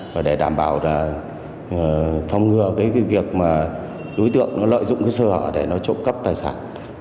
và để đảm bảo là phòng ngừa cái việc mà đối tượng nó lợi dụng cái sơ hở để nó trộm cắp tài sản